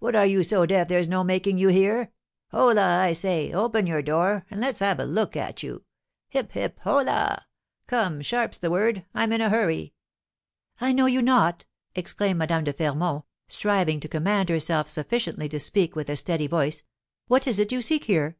What, are you so deaf there's no making you hear? Holloa, I say, open your door; and let's have a look at you. Hip, hip, holloa! Come, sharp's the word; I'm in a hurry." "I know you not," exclaimed Madame de Fermont, striving to command herself sufficiently to speak with a steady voice; "what is it you seek here?"